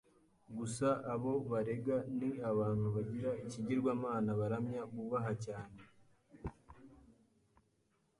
gusa abo barega ni abantu bagira ikigirwamana baramya, bubaha cyane,